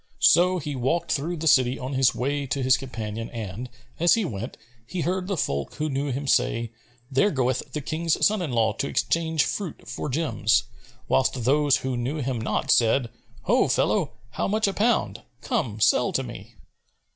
So he walked through the city on his way to his companion; and, as he went, he heard the folk who knew him say, "There goeth the King's son in law to exchange fruit for gems;" whilst those who knew him not said, "Ho, fellow, how much a pound? Come, sell to me."